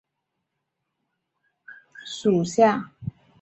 短果百脉根为豆科百脉根属下的一个种。